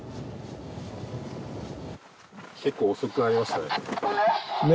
結構遅くなりましたね。